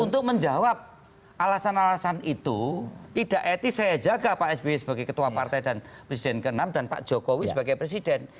untuk menjawab alasan alasan itu tidak etis saya jaga pak sby sebagai ketua partai dan presiden ke enam dan pak jokowi sebagai presiden